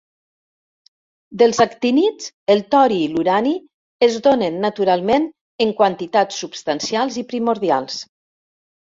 Dels actínids, el tori i l'urani es donen naturalment en quantitats substancials i primordials.